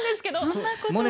そんなことは。